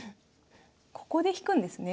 ここで引くんですね。